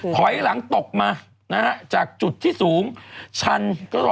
ถอยหลังตกมานะฮะจากจุดที่สูงชัน